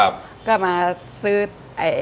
ประมาณนั้นครับแม่